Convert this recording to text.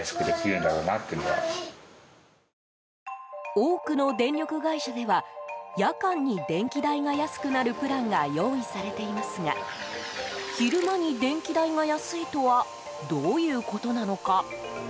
多くの電力会社では夜間に電気代が安くなるプランが用意されていますが昼間に電気代が安いとはどういうことなのか。